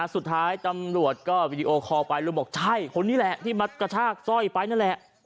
สุดท้ายตำรวจก็วีดีโอคอลไปลุงบอกใช่คนนี้แหละที่มากระชากสร้อยไปนั่นแหละ